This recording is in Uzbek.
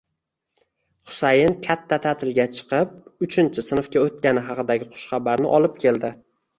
Xusayin katta ta'tilga chiqib, uchinchi sinfga o'tgani haqidagi xushxabarni olib keldi.